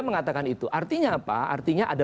mengatakan itu artinya apa artinya ada